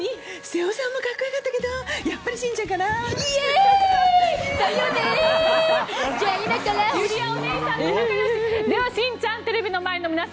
瀬尾さんも格好良かったけどやっぱりしんちゃんかな？